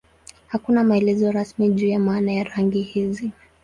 Hakuna maelezo rasmi juu ya maana ya rangi hizi.